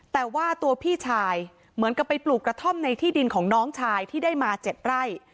แต่ว่าตัวพี่ชายเหมือนกับไปปลูกกระท่อมในที่ดินของน้องชายที่ได้มา๗ไร่